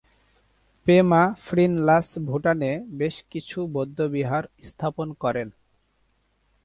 পে-মা-'ফ্রিন-লাস ভুটানে বেশ কিছু বৌদ্ধবিহার স্থাপন করেন।